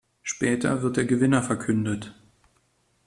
Später wird der Gewinner verkündet.